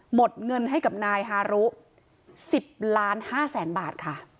หมดเงินให้กับนายฮารุ๑๐ล้าน๕แสนบาทค่ะ